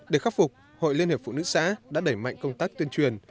để khắc phục hội liên hiệp phụ nữ xã đã đẩy mạnh công tác tuyên truyền